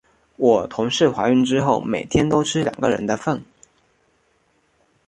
我同事怀孕之后，每天都吃两个人的份。